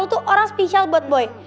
lu selalu tuh orang spesial buat boy